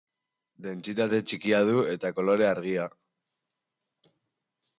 Dentsitate txikia du eta kolore argia.